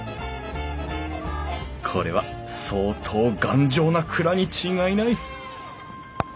これは相当頑丈な蔵に違いない！